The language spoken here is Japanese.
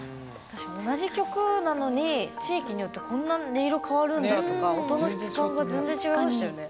同じ曲なのに地域によってこんな音色変わるんだとか音の質感が全然違いましたよね。